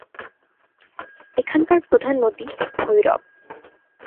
এখানকার প্রধান নদী ভৈরব।